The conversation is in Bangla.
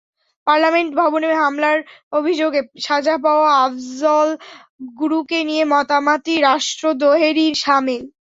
পার্লামেন্ট ভবনে হামলার অভিযোগে সাজা পাওয়া আফজল গুরুকে নিয়ে মাতামাতি রাষ্ট্রদ্রোহেরই শামিল।